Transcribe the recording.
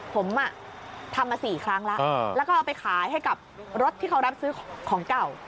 ผมทำมา๔ครั้งแล้วแล้วก็เอาไปขายให้กับรถที่เขารับซื้อของเก่า